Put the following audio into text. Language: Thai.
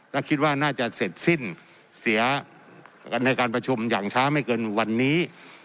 และคิดว่าน่าจะเสร็จสิ้นเสียในการประชุมอย่างช้าไม่เกินวันนี้